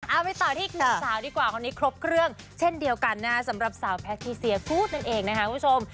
เอาไปต่อที่สาวดีกว่าคราวนี้ครบเครื่องเช่นเดียวกันนะสำหรับสาวแพทย์ที่เซียพูดนั่นเองนะครับคุณผู้ชม